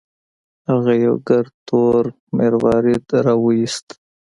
هغه یو ګرد تور مروارید راوویست.